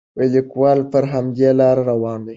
لیکوال پر همدې لاره روان دی.